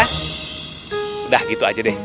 sudah gitu saja